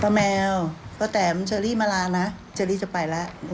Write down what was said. แมวป้าแตมเชอรี่มาลานะเชอรี่จะไปแล้ว